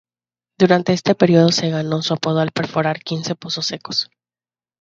Durante este periodo se ganó su apodo al perforar quince pozos secos.